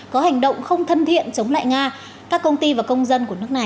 có hành động không thân thiện chống lại nga các công ty và công dân của nước này